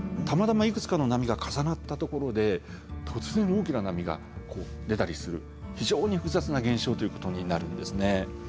たまたまいくつかの波が重なったところで突然大きな波が出たりする非常に複雑な現象ということになるんですね。